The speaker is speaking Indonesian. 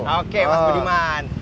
oke mas budiman